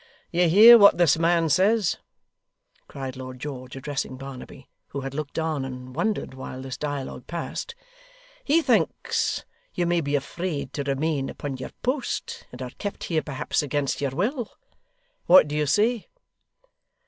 'You hear what this man says?' cried Lord George, addressing Barnaby, who had looked on and wondered while this dialogue passed. 'He thinks you may be afraid to remain upon your post, and are kept here perhaps against your will. What do you say?